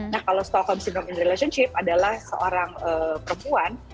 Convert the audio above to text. nah kalau stockhold syndrome in relationship adalah seorang perempuan